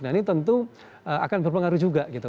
nah ini tentu akan berpengaruh juga gitu